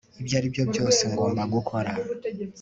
ibyo aribyo byose ngomba gukora